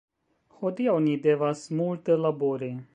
Hodiaŭ ni devas multe labori